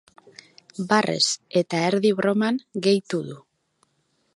Barrez eta erdi broman gehitu du.